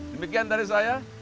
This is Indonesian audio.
demikian dari saya